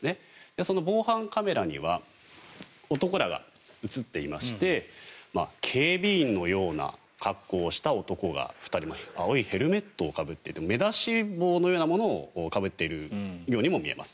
その防犯カメラには男らが映っていまして警備員のような格好をした男が２人青いヘルメットをかぶっていて目出し帽のようなものをかぶっているようにも見えます。